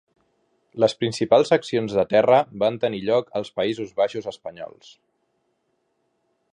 Les principals accions de terra van tenir lloc als Països Baixos espanyols.